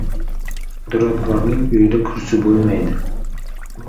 • Duradgorning uyida kursi bo‘lmaydi.